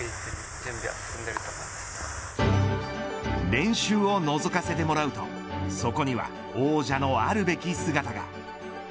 練習をのぞかせてもらうとそこには、王者のあるべき姿が。